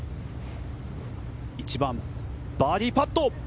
１番、バーディーパット。